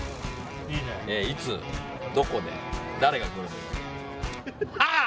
いつ、どこで、誰が来るのか。